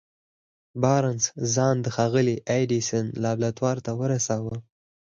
بارنس ځان د ښاغلي ايډېسن لابراتوار ته ورساوه.